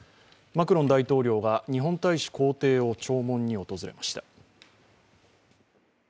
マクロン大統領が日本大使公邸を弔問に訪れました。